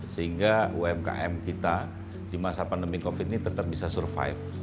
sehingga umkm kita di masa pandemi covid ini tetap bisa survive